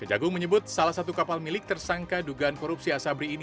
kejagung menyebut salah satu kapal milik tersangka dugaan korupsi asabri ini